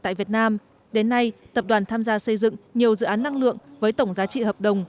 tại việt nam đến nay tập đoàn tham gia xây dựng nhiều dự án năng lượng với tổng giá trị hợp đồng